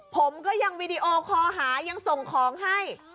ผมก็ยังวีดีโอคอหายังส่งของให้